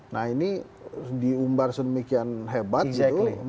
nah ini diumbar sedemikian hebat gitu